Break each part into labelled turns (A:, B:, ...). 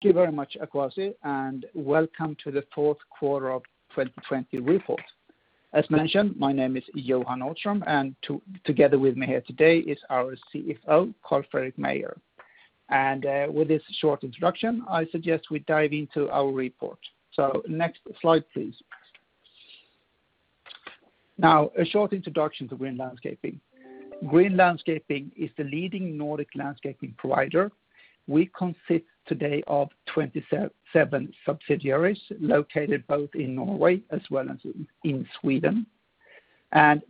A: Thank you very much, Akwasi. Welcome to the fourth quarter of 2020 report. As mentioned, my name is Johan Nordström. Together with me here today is our CFO, Carl-Fredrik Meijer. With this short introduction, I suggest we dive into our report. Next slide, please. A short introduction to Green Landscaping. Green Landscaping is the leading Nordic landscaping provider. We consist today of 27 subsidiaries located both in Norway as well as in Sweden.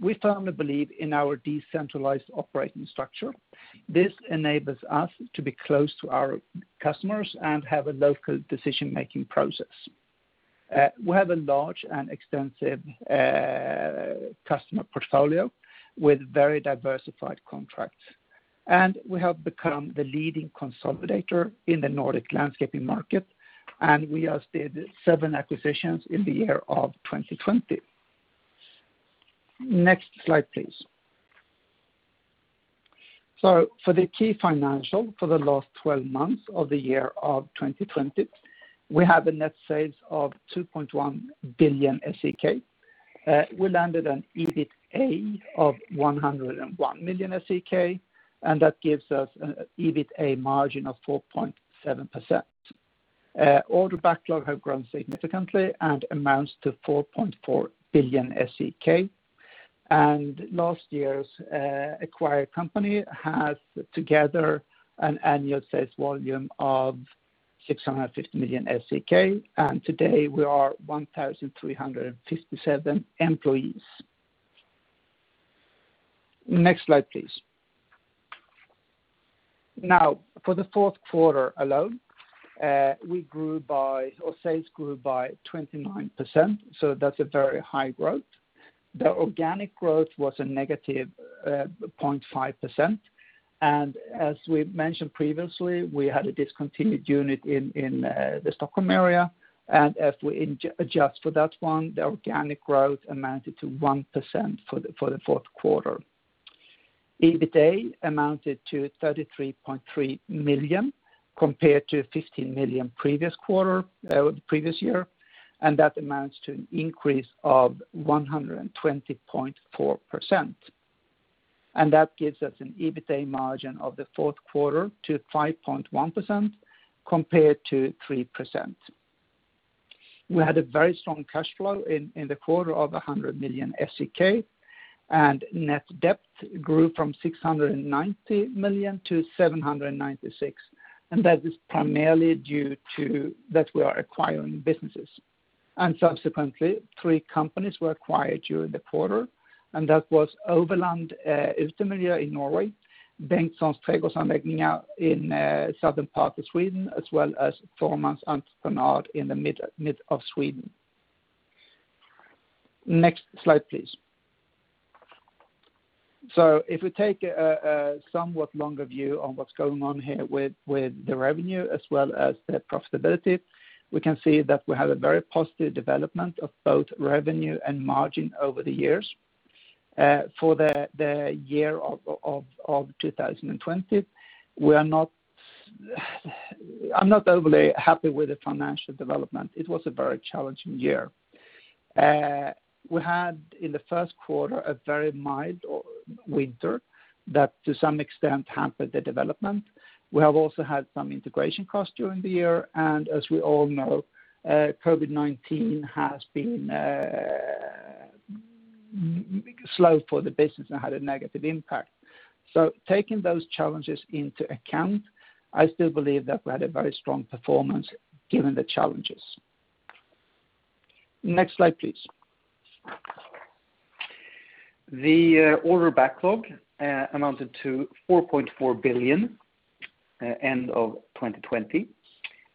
A: We firmly believe in our decentralized operating structure. This enables us to be close to our customers and have a local decision-making process. We have a large and extensive customer portfolio with very diversified contracts. We have become the leading consolidator in the Nordic landscaping market, and we have save seven acquisitions in the year of 2020. Next slide, please. For the key financial, for the last 12 months of the year of 2020, we have a net sales of 2.1 billion SEK. We landed an EBITDA of 101 million SEK, and that gives us an EBITDA margin of 4.7%. Order backlog have grown significantly and amounts to 4.4 billion SEK. Last year's acquired company has together an annual sales volume of 650 million SEK, and today we are 1,357 employees. Next slide, please. For the fourth quarter alone, our sales grew by 29%, so that's a very high growth. The organic growth was a negative 0.5%, and as we mentioned previously, we had a discontinued unit in the Stockholm area, and as we adjust for that one, the organic growth amounted to 1% for the fourth quarter. EBITDA amounted to 33.3 million compared to 15 million previous year, and that amounts to an increase of 120.4%. That gives us an EBITDA margin of the fourth quarter to 5.1% compared to 3%. We had a very strong cash flow in the quarter of 100 million SEK, and net debt grew from 690 million to 796 million, and that is primarily due to that we are acquiring businesses. Subsequently, three companies were acquired during the quarter, and that was Oveland Utemiljø in Norway, Bengtssons Trädgårdsanläggningar in southern part of Sweden, as well as Thormans Entreprenad in the mid of Sweden. Next slide, please. If we take a somewhat longer view on what's going on here with the revenue as well as the profitability, we can see that we have a very positive development of both revenue and margin over the years. For the year of 2020, I'm not overly happy with the financial development. It was a very challenging year. We had in the first quarter a very mild winter that to some extent hampered the development. We have also had some integration costs during the year, and as we all know, COVID-19 has been slow for the business and had a negative impact. Taking those challenges into account, I still believe that we had a very strong performance given the challenges. Next slide, please. The order backlog amounted to 4.4 billion end of 2020,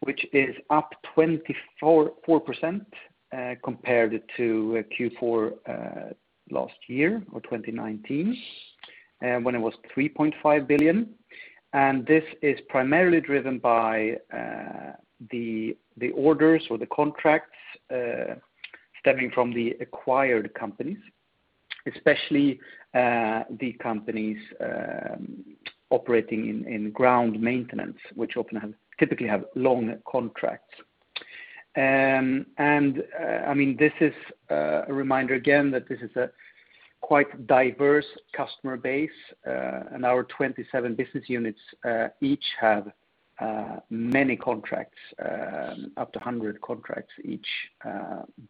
A: which is up 24% compared to Q4 last year or 2019, when it was 3.5 billion. This is primarily driven by the orders or the contracts stemming from the acquired companies, especially the companies operating in ground maintenance, which typically have long contracts. This is a reminder again that this is a quite diverse customer base, and our 27 business units each have many contracts, up to 100 contracts each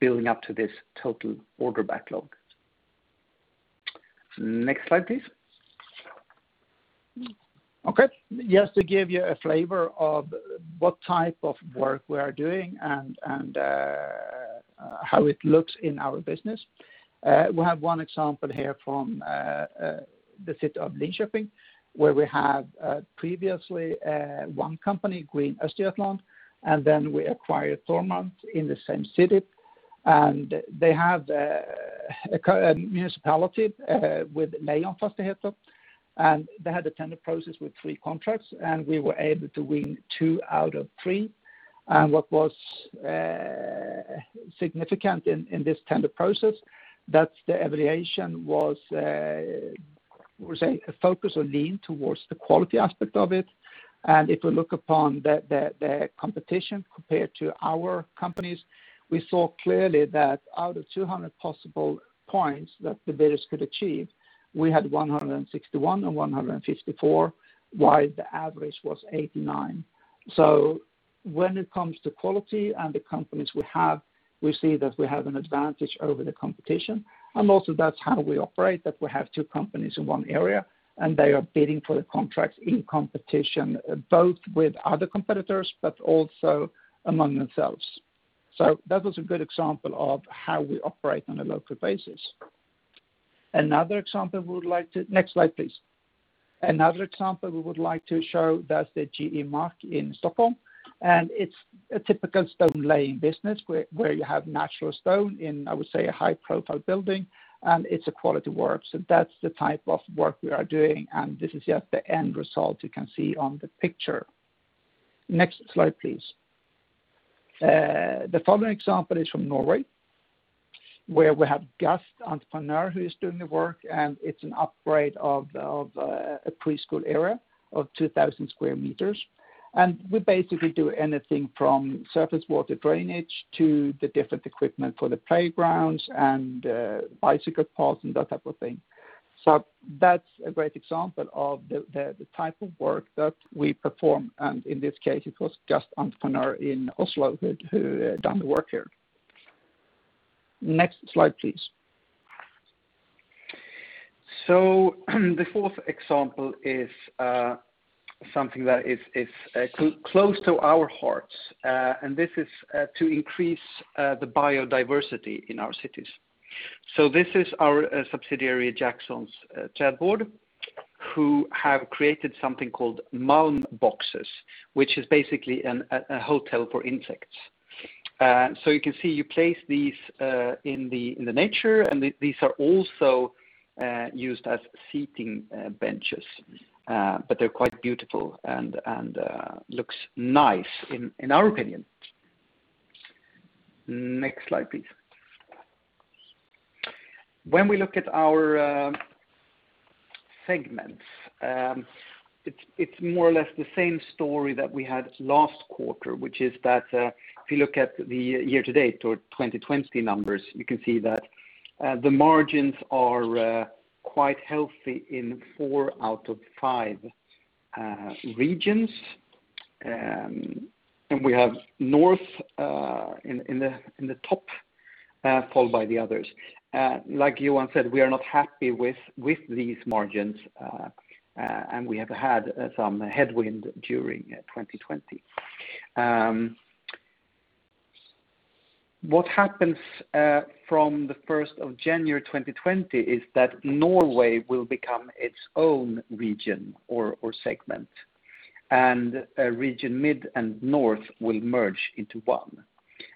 A: building up to this total order backlog. Next slide, please. Just to give you a flavor of what type of work we are doing and how it looks in our business. We have one example here from the city of Linköping, where we have previously one company, Green Östergötland, and then we acquired Thormans in the same city, and they have a municipality with Lejonfastigheter, and they had a tender process with three contracts, and we were able to win two out of three. What was significant in this tender process, that's the evaluation was a focus or lean towards the quality aspect of it. If we look upon the competition compared to our companies, we saw clearly that out of 200 possible points that the bidders could achieve, we had 161 and 154, while the average was 89. When it comes to quality and the companies we have, we see that we have an advantage over the competition. Also that's how we operate, that we have two companies in one area, and they are bidding for the contracts in competition, both with other competitors, but also among themselves. That was a good example of how we operate on a local basis. Next slide, please. Another example we would like to show that's the JE Mark in Stockholm, and it's a typical stone-laying business where you have natural stone in, I would say, a high-profile building, and it's a quality work. That's the type of work we are doing, and this is the end result you can see on the picture. Next slide, please. The following example is from Norway, where we have GAST Entreprenør who is doing the work, and it's an upgrade of a preschool area of 2,000 sq m. We basically do anything from surface water drainage to the different equipment for the playgrounds and bicycle paths and that type of thing. That's a great example of the type of work that we perform, and in this case, it was GAST Entreprenør in Oslo who done the work here. Next slide, please.
B: The fourth example is something that is close to our hearts, and this is to increase the biodiversity in our cities. This is our subsidiary, Jacksons Trädvård, who have created something called Malm Boxes, which is basically a hotel for insects. You can see you place these in the nature, and these are also used as seating benches, but they're quite beautiful and looks nice in our opinion. Next slide, please. When we look at our segments, it's more or less the same story that we had last quarter, which is that if you look at the year-to-date or 2020 numbers, you can see that the margins are quite healthy in four out of five regions. We have North in the top, followed by the others. Like Johan said, we are not happy with these margins, and we have had some headwind during 2020. What happens from the 1st of January 2020 is that Norway will become its own region or segment, and Region Mid and North will merge into one.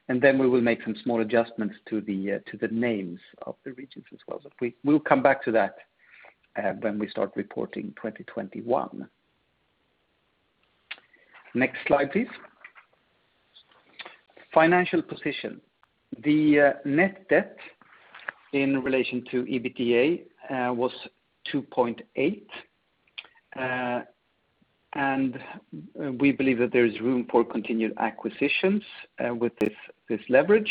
B: Then we will make some small adjustments to the names of the regions as well. We will come back to that when we start reporting 2021. Next slide, please. Financial position. The net debt in relation to EBITDA was 2.8, and we believe that there is room for continued acquisitions with this leverage.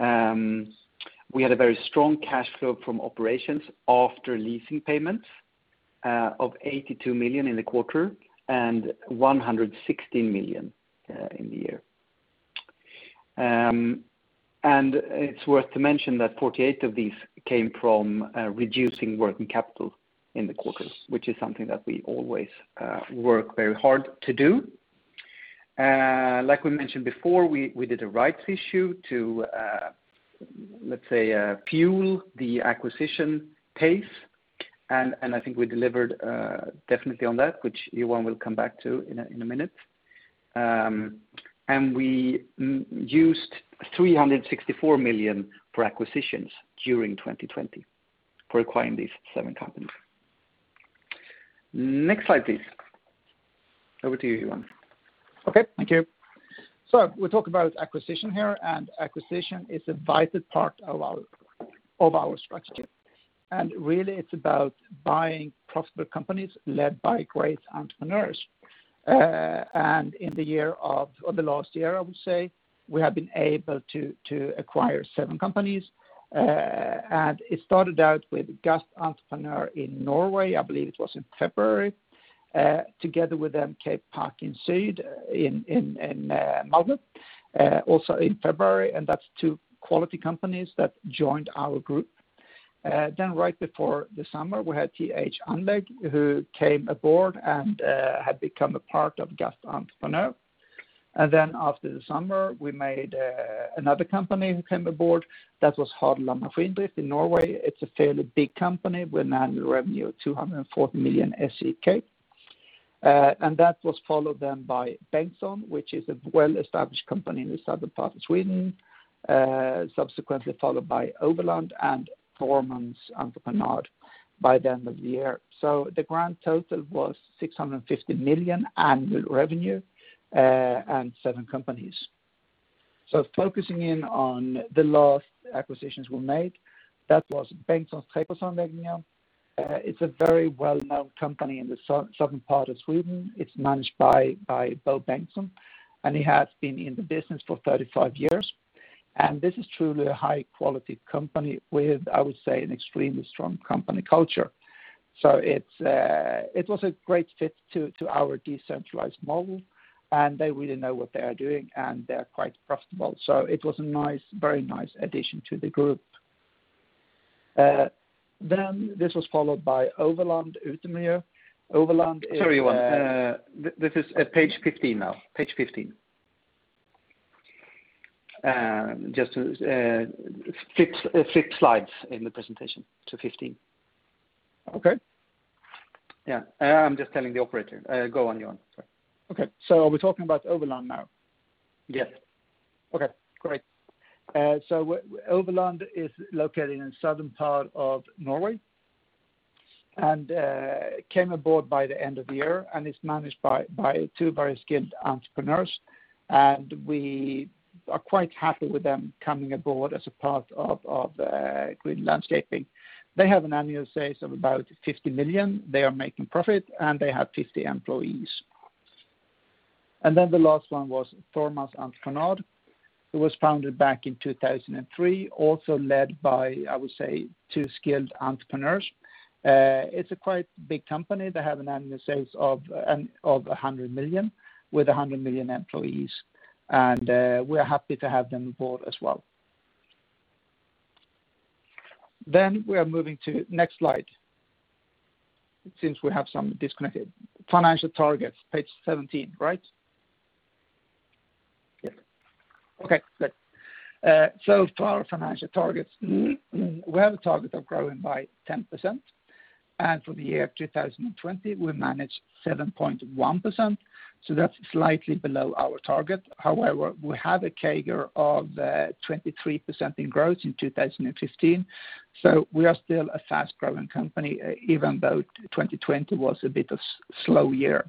B: We had a very strong cash flow from operations after leasing payments of 82 million in the quarter and 116 million in the year. It's worth to mention that 48 of these came from reducing working capital in the quarter, which is something that we always work very hard to do. Like we mentioned before, we did a rights issue to, let's say, fuel the acquisition pace. I think we delivered definitely on that, which Johan will come back to in a minute. We used 364 million for acquisitions during 2020 for acquiring these seven companies. Next slide, please. Over to you, Johan.
A: We talk about acquisition here, and acquisition is a vital part of our strategy. Really it's about buying profitable companies led by great entrepreneurs. In the last year, I would say, we have been able to acquire seven companies. It started out with GAST Entreprenør in Norway, I believe it was in February, together with Park i Syd AB in Malmö, also in February, and that's two quality companies that joined our group. Right before the summer, we had TH Anlegg who came aboard and had become a part of GAST Entreprenør. After the summer, we made another company who came aboard, that was Hadeland Maskindrift in Norway. It's a fairly big company with annual revenue of 240 million SEK. That was followed then by Bengtsson, which is a well-established company in the southern part of Sweden, subsequently followed by Oveland and Thormans Entreprenad by the end of the year. The grand total was 650 million annual revenue, and seven companies. Focusing in on the last acquisitions we made, that was Bengtssons Trädgårdsanläggningar. It's a very well-known company in the southern part of Sweden. It's managed by Bo Bengtsson, and he has been in the business for 35 years. This is truly a high-quality company with, I would say, an extremely strong company culture. It was a great fit to our decentralized model, and they really know what they are doing, and they are quite profitable. It was a very nice addition to the group. This was followed by Oveland Utemiljø.
B: Sorry, Johan. This is at page 15 now. Page 15. Flip slides in the presentation to 15.
A: Okay.
B: Yeah. I'm just telling the operator. Go on, Johan. Sorry.
A: Okay. Are we talking about Oveland now?
B: Yes.
A: Okay, great. Oveland is located in the southern part of Norway and came aboard by the end of the year and is managed by two very skilled entrepreneurs. We are quite happy with them coming aboard as a part of Green Landscaping. They have an annual sales of about 50 million. They are making profit, and they have 50 employees. The last one was Thormans Entreprenad, who was founded back in 2003, also led by, I would say, two skilled entrepreneurs. It's a quite big company. They have an annual sales of 100 million with 100 employees, and we are happy to have them aboard as well. We are moving to next slide since we have some disconnected financial targets. Page 17, right?
B: Yeah.
A: Okay, good. For our financial targets, we have a target of growing by 10%, and for the year 2020, we managed 7.1%, that's slightly below our target. However, we have a CAGR of 23% in growth in 2015, we are still a fast-growing company, even though 2020 was a bit of slow year.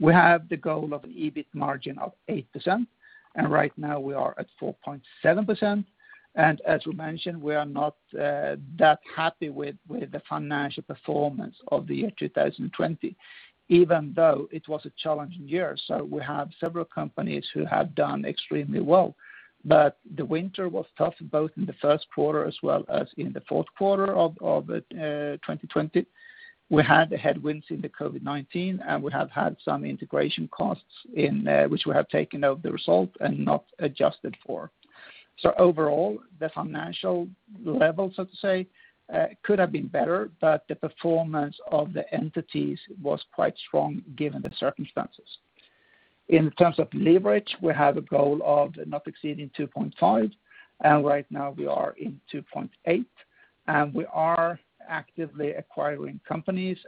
A: We have the goal of EBITDA margin of 8%, right now we are at 4.7%. As we mentioned, we are not that happy with the financial performance of the year 2020, even though it was a challenging year. We have several companies who have done extremely well. The winter was tough, both in the first quarter as well as in the fourth quarter of 2020. We had the headwinds in the COVID-19, we have had some integration costs which we have taken out of the result and not adjusted for. Overall, the financial level, so to say, could have been better, but the performance of the entities was quite strong given the circumstances. In terms of leverage, we have a goal of not exceeding 2.5, right now we are in 2.8. We are actively acquiring companies,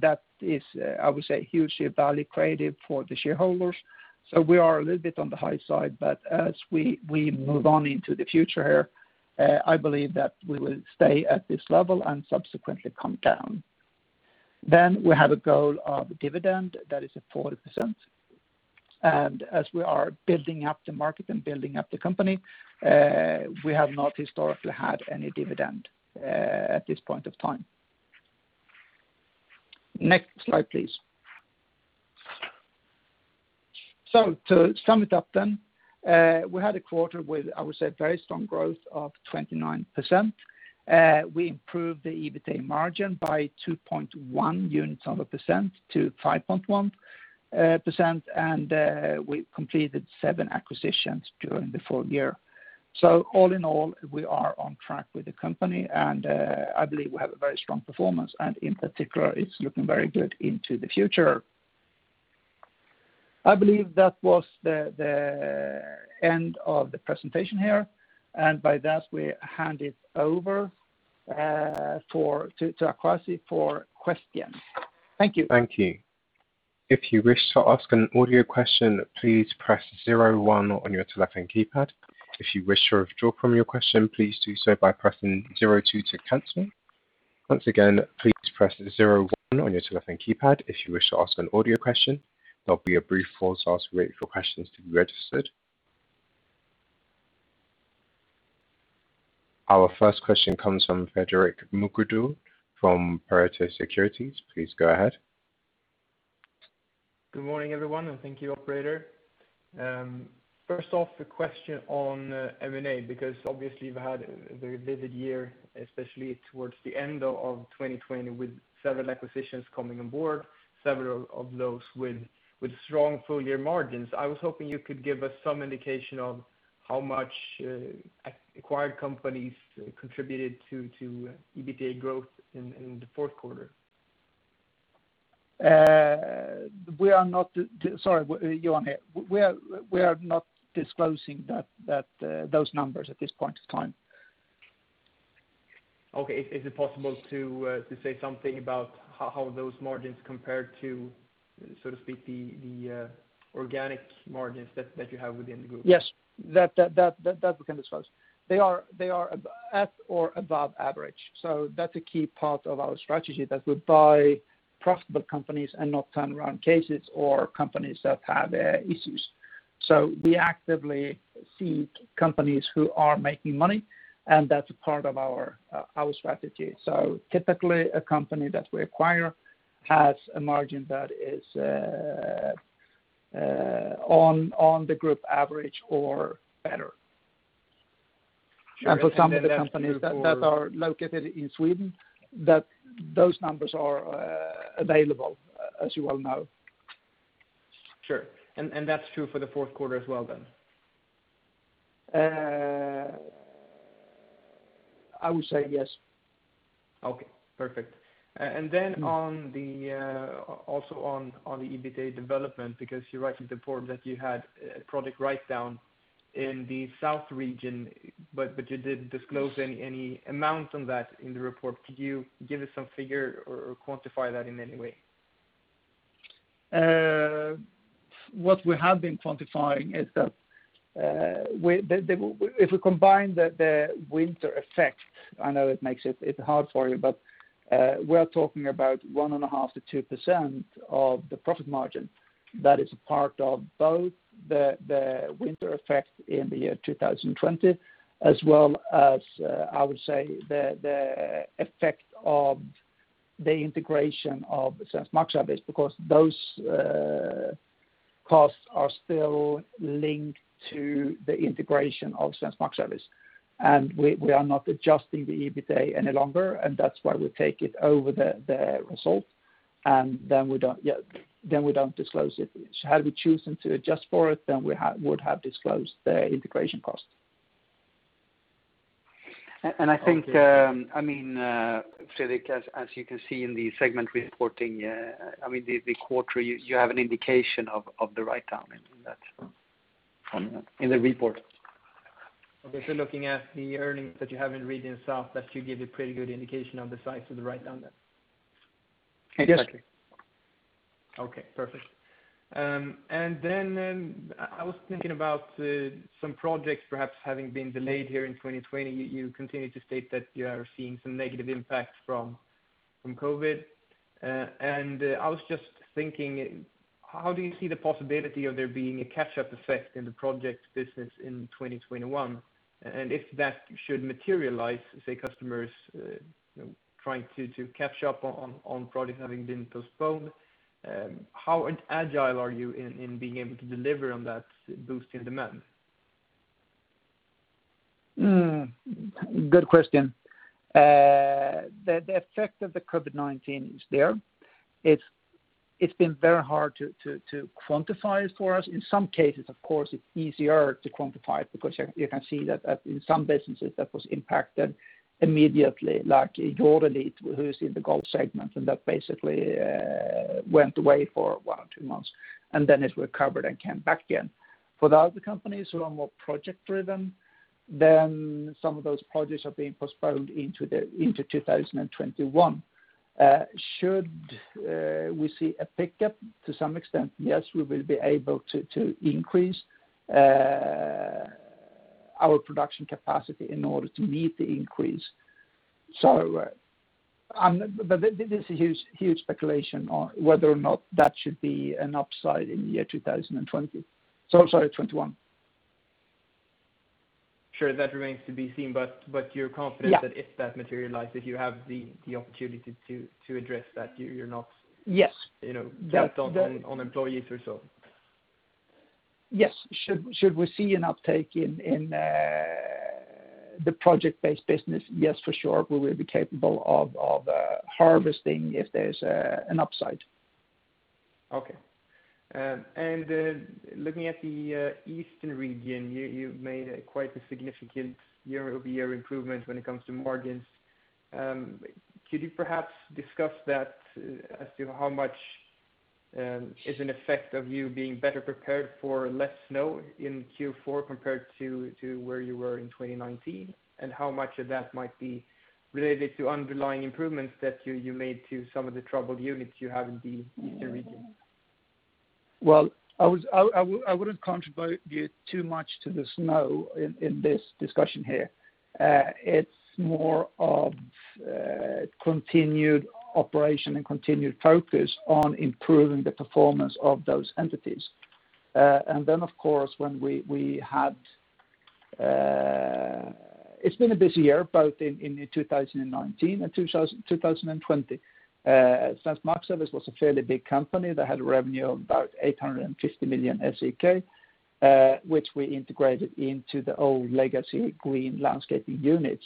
A: that is, I would say, hugely value creative for the shareholders. We are a little bit on the high side, as we move on into the future here, I believe that we will stay at this level and subsequently come down. We have a goal of dividend that is at 40%. As we are building up the market and building up the company, we have not historically had any dividend at this point of time. Next slide, please. To sum it up then, we had a quarter with, I would say, very strong growth of 29%. We improved the EBITDA margin by 2.1 units of a percent to 5.1%, and we completed seven acquisitions during the full year. All in all, we are on track with the company, and I believe we have a very strong performance, and in particular, it's looking very good into the future. I believe that was the end of the presentation here, and by that, we hand it over to Akwasi for questions. Thank you.
C: Thank you. If you wish to ask an audio question, please press zero, one on your telephone keypad. If you wish to withdraw from your question, please do so by pressing zero, two to cancel. Once again, please press zero, one on your telephone keypad if you wish to ask an audio question. There'll be a brief pause as we wait for questions to be registered. Our first question comes from Fredrik Mokvist from Pareto Securities. Please go ahead.
D: Good morning, everyone, and thank you, operator. First off, a question on M&A, because obviously you've had a very busy year, especially towards the end of 2020, with several acquisitions coming on board, several of those with strong full-year margins. I was hoping you could give us some indication of how much acquired companies contributed to EBITDA growth in the fourth quarter.
A: Sorry, Johan here. We are not disclosing those numbers at this point in time.
D: Is it possible to say something about how those margins compare to, so to speak, the organic margins that you have within the group?
A: Yes. That we can disclose. They are at or above average, so that's a key part of our strategy, that we buy profitable companies and not turnaround cases or companies that have issues. We actively seek companies who are making money, and that's a part of our strategy. Typically, a company that we acquire has a margin that is on the group average or better. For some of the companies that are located in Sweden, those numbers are available, as you well know.
D: Sure. That's true for the fourth quarter as well then?
A: I would say yes.
D: Okay, perfect. Also on the EBITDA development, because you write in the report that you had a product write-down in the South region, but you didn't disclose any amount on that in the report. Could you give us some figure or quantify that in any way?
A: What we have been quantifying is that if we combine the winter effect, I know it makes it hard for you, but we are talking about 1.5%-2% of the profit margin that is a part of both the winter effect in the year 2020 as well as, I would say, the effect of the integration of Svensk Markservice, because those costs are still linked to the integration of Svensk Markservice. We are not adjusting the EBITDA any longer, and that's why we take it over the result, and then we don't disclose it. Had we chosen to adjust for it, then we would have disclosed the integration cost.
B: I think, Fredrik, as you can see in the segment reporting, the quarter, you have an indication of the write-down in the report.
D: Okay. Looking at the earnings that you have in region South, that should give a pretty good indication of the size of the write-down then?
A: Yes.
D: Exactly. Okay, perfect. I was thinking about some projects perhaps having been delayed here in 2020. You continue to state that you are seeing some negative impact from COVID. I was just thinking, how do you see the possibility of there being a catch-up effect in the project business in 2021? If that should materialize, say customers trying to catch up on projects having been postponed, how agile are you in being able to deliver on that boost in demand?
A: Good question. The effect of the COVID-19 is there. It's been very hard to quantify it for us. In some cases, of course, it's easier to quantify it because you can see that in some businesses that was impacted immediately, like Jordelit, who's in the golf segment, and that basically went away for one or two months, and then it recovered and came back again. For the other companies who are more project driven, some of those projects are being postponed into 2021. Should we see a pickup to some extent? Yes, we will be able to increase our production capacity in order to meet the increase. This is huge speculation on whether or not that should be an upside in the year 2021.
D: Sure. That remains to be seen, but you're confident.
A: Yeah.
D: That if that materializes, you have the opportunity to address that.
A: Yes.
D: Built on employees or so.
A: Yes. Should we see an uptake in the project-based business? Yes, for sure. We will be capable of harvesting if there is an upside.
D: Okay. Looking at the East region, you've made quite a significant year-over-year improvement when it comes to margins. Could you perhaps discuss that as to how much is an effect of you being better prepared for less snow in Q4 compared to where you were in 2019, and how much of that might be related to underlying improvements that you made to some of the troubled units you have in the Eastern region?
A: Well, I wouldn't contribute too much to the snow in this discussion here. It's more of continued operation and continued focus on improving the performance of those entities. Of course, it's been a busy year, both in 2019 and 2020. Svensk Markservice was a fairly big company that had revenue of about 850 million SEK which we integrated into the old legacy Green Landscaping units.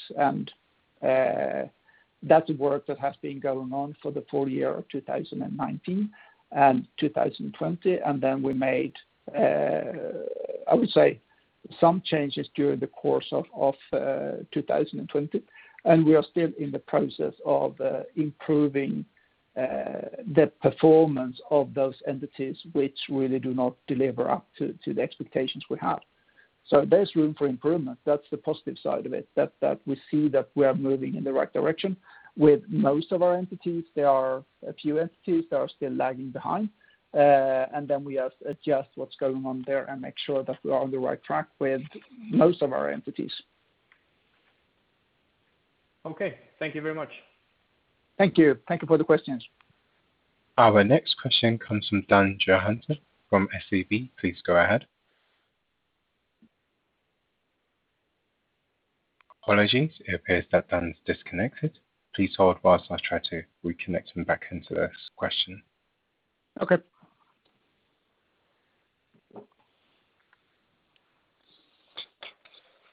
A: That's work that has been going on for the full year of 2019 and 2020. We made, I would say, some changes during the course of 2020, and we are still in the process of improving the performance of those entities which really do not deliver up to the expectations we have. There's room for improvement. That's the positive side of it, that we see that we are moving in the right direction with most of our entities. There are a few entities that are still lagging behind. We adjust what's going on there and make sure that we are on the right track with most of our entities.
D: Okay. Thank you very much.
A: Thank you. Thank you for the questions.
C: Our next question comes from Dan Johansson from SEB. Please go ahead. Apologies. It appears that Dan's disconnected. Please hold whilst I try to reconnect him back into this question.
A: Okay.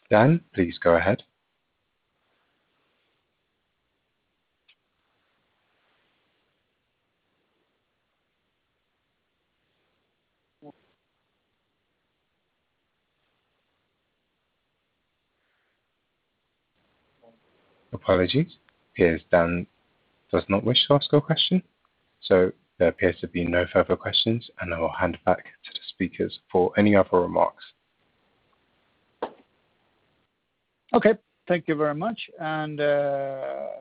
C: Dan, please go ahead. Apologies. It appears Dan does not wish to ask a question. There appears to be no further questions, and I will hand back to the speakers for any other remarks.
A: Okay. Thank you very much. As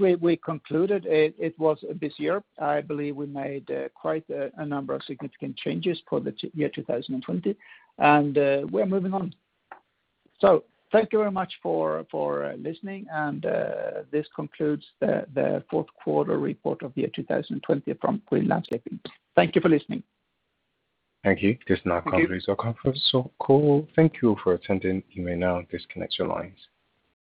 A: we concluded, it was a busy year. I believe we made quite a number of significant changes for the year 2020, and we're moving on. Thank you very much for listening, and this concludes the fourth quarter report of the year 2020 from Green Landscaping. Thank you for listening.
C: Thank you. This now concludes our conference call. Thank you for attending. You may now disconnect your lines.